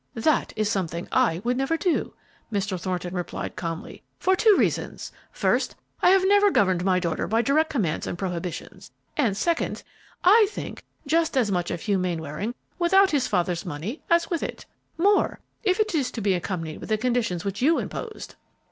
"That is something I would never do," Mr. Thornton replied, calmly, "for two reasons; first, I have never governed my daughter by direct commands and prohibitions, and, second, I think just as much of Hugh Mainwaring without his father's money as with it; more, if it is to be accompanied with the conditions which you imposed."